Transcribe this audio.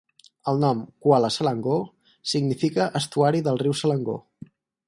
El nom Kuala Selangor significa estuari del riu Selangor.